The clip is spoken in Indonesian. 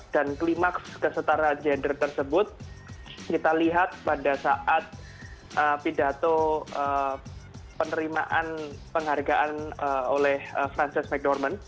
dan klimaks kesetara gender tersebut kita lihat pada saat pidato penerimaan penghargaan oleh frances mcdormand